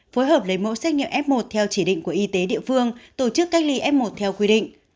phối hợp lấy mẫu xét nghiệm f một theo chỉ định của y tế địa phương tổ chức cách ly f một theo quy định